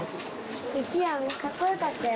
一番かっこよかったよ。